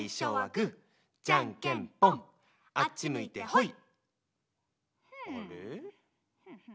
あっち向いてほい！